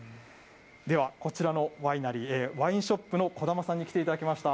では、こちらのワイナリー、ワインショップの児玉さんに来ていただきました。